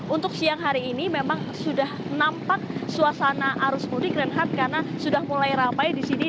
untuk siang hari ini memang sudah nampak suasana arus mudik renhat karena sudah mulai ramai di sini